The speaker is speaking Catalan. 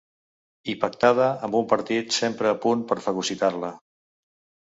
I pactada amb un partit sempre a punt per fagocitar-la.